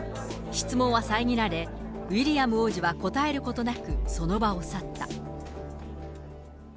質問は遮られ、ウィリアム王子は答えることなく、その場を去った。